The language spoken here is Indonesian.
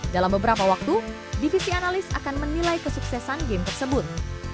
dalam beberapa waktu divisi analis akan menilai kesuksesan game tersebut